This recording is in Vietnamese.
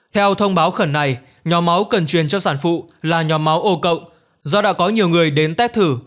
theo thông báo khẩn này nhóm máu cần truyền cho sản phụ là nhóm máu ô cộng do đã có nhiều người đến tét thử